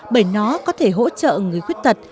bởi nó có thể hỗ trợ người khuyết tật